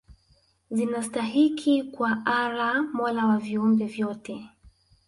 zinastahiki kwa Allah mola wa viumbe vyote